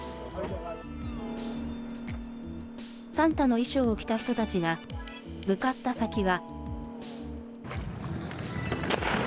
サンタの衣装を着た人たちが向かった先は。